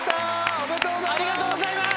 おめでとうございます！